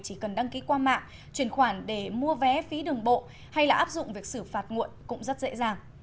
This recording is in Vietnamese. chỉ cần đăng ký qua mạng chuyển khoản để mua vé phí đường bộ hay là áp dụng việc xử phạt nguộn cũng rất dễ dàng